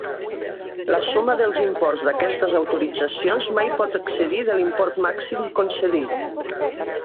La suma dels imports d'aquestes d'autoritzacions mai pot excedir de l'import màxim concedit.